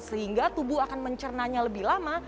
sehingga tubuh akan mencernanya lebih lama